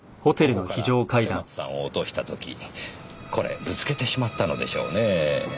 ここから立松さんを落とした時これぶつけてしまったのでしょうね。